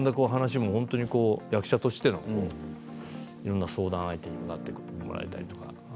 役者としていろんな相談相手にもなってもらったりとか。